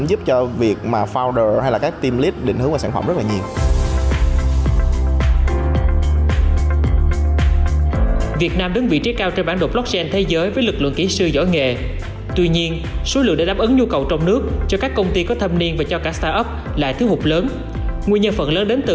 giúp cho việc mà founder hay là các team lead định hướng vào sản phẩm rất là nhiều